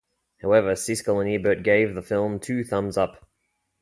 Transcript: However, Siskel and Ebert gave the film two thumbs up.